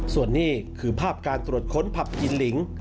ส่วนนี้คือภาพการตรวจค้นผับกินลิง